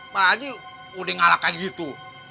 pak ji udah ngalakan gitu